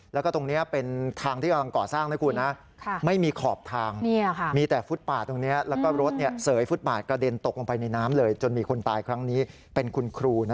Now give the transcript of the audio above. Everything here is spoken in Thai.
แล้วก็ตรงนี้เป็นทางที่กำลังกอดสร้างนะคุณ